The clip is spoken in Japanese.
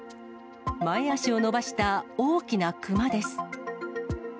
前足を伸ばした大きなクマです。